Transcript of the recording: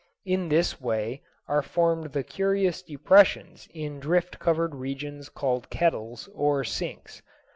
In this way are formed the curious depressions in drift covered regions called kettles or sinks.